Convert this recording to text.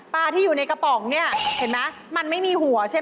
๔๕ปลาสลิตมดไหมได้